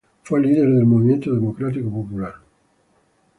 Fue líder del Movimiento Democrático Popular.